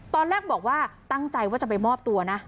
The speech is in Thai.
ตอนแรกบอกว่าตั้งใจว่าจะไปมอบตัวนะ